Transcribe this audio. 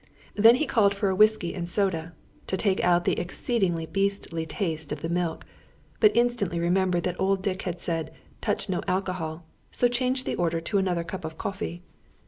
Then he called for a whisky and soda, to take out the exceedingly beastly taste of the milk; but instantly remembered that old Dick had said: "Touch no alcohol," so changed the order to another cup of coffee.